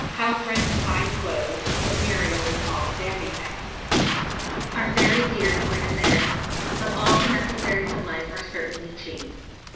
House rent and fine clothes what Muriel would call 'dandy things' are very dear in Buenos Ayres, but all the necessaries of life are certainly cheap.